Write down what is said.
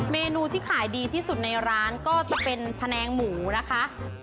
เมนูที่ขายดีที่สุดในร้านก็จะเป็นแผนงหมูนะคะ